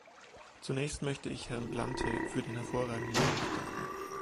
Zunächst möchte ich Herrn Glante für den hervorragenden Bericht danken.